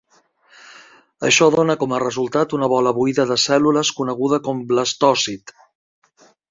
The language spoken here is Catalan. Això dona com a resultat una bola buida de cèl·lules coneguda com blastòcit.